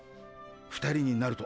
２人になると。